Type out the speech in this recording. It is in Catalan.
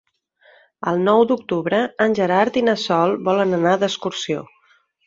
El nou d'octubre en Gerard i na Sol volen anar d'excursió.